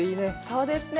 そうですね。